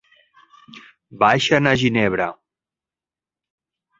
Baixen a Ginebra.